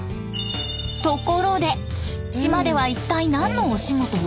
ところで島では一体何のお仕事を？